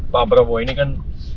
pak prabowo ini kan